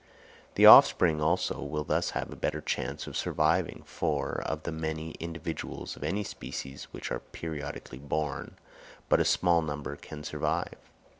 The offspring, also, will thus have a better chance of surviving, for, of the many individuals of any species which are periodically born, but a small number can survive.